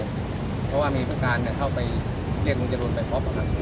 เพราะว่ามีผู้การเนี่ยเข้าไปเรียกลุงจรูนไปพบเขาครับ